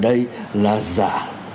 ở đây là giả